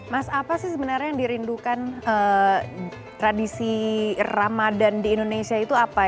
mas apa sih sebenarnya yang dirindukan tradisi ramadan di indonesia itu apa